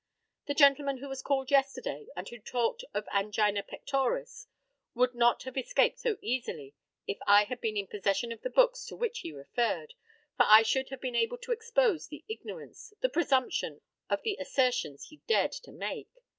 The gentleman who was called yesterday, and who talked of angina pectoris, would not have escaped so easily if I had been in possession of the books to which he referred, for I should have been able to expose the ignorance, the presumption, of the assertions he dared to make.